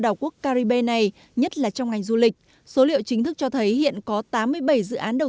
đảo quốc caribe này nhất là trong ngành du lịch số liệu chính thức cho thấy hiện có tám mươi bảy dự án đầu